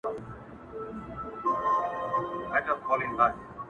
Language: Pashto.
ما د زندان په دروازو کي ستا آواز اورېدی!.